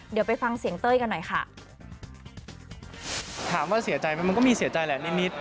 เดี๋ยวไปฟังเสียงเต้ยกันหน่อยค่ะ